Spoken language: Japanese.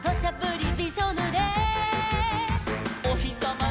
「おひさま